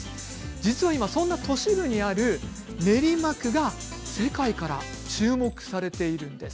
実は今そんな都市部にある練馬区が世界から注目されているんです。